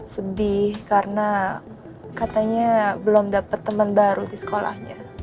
sedih karena katanya belom dapet temen baru di sekolah